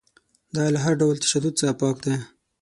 دا له هر ډول تشدد څخه پاک دی.